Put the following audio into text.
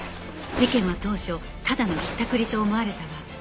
事件は当初ただのひったくりと思われたが